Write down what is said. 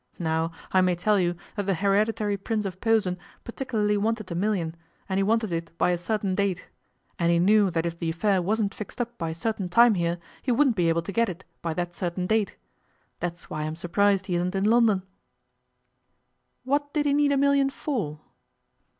Now, I may tell you that the Hereditary Prince of Posen particularly wanted a million, and he wanted it by a certain date, and he knew that if the affair wasn't fixed up by a certain time here he wouldn't be able to get it by that certain date. That's why I'm surprised he isn't in London.' 'What did he need a million for?